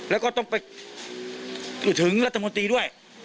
แล้วก็ต้องไปถึงรัฐมนตรีด้วย